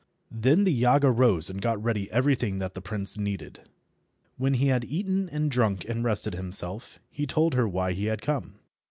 Then the Yaga rose and got ready everything that the prince needed. When he had eaten and drunk and rested himself, he told her why he had come.